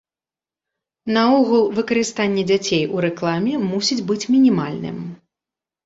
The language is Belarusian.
Наогул выкарыстанне дзяцей ў рэкламе мусіць быць мінімальным.